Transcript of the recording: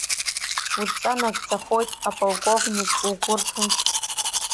Удҵа нагӡахоит, аполковник, угәы рҭынч.